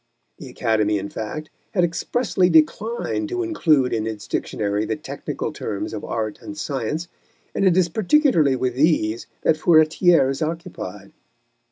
The Academy, in fact, had expressly declined to include in its Dictionary the technical terms of art and science, and it is particularly with these that Furetière is occupied.